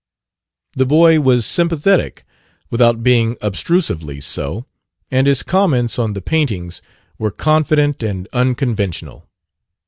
The boy was sympathetic, without being obtrusively so, and his comments on the paintings were confident and unconventional.